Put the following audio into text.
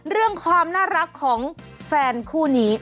เรื่องความน่ารักของแฟนคู่นี้